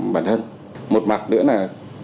bản thân một mặt nữa là